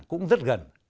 cũng rất gần